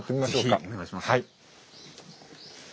是非お願いします。